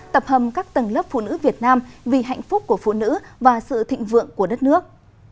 tập hầm các tầng lớp phụ nữ việt nam vì hạnh phúc của phụ nữ và sự thịnh vượng của đất nước